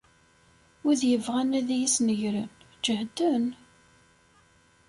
Wid yebɣan ad iyi-snegren, ǧehden.